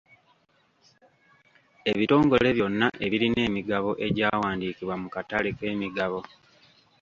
Ebitongole byonna ebirina emigabo egyawandiikibwa mu katale k'emigabo.